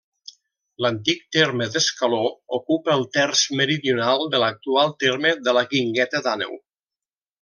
L'antic terme d'Escaló ocupa el terç meridional de l'actual terme de la Guingueta d'Àneu.